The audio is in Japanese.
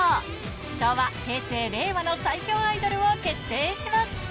昭和、平成、令和の最強アイドルを決定します。